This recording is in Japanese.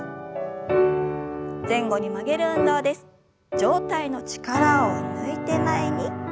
上体の力を抜いて前に。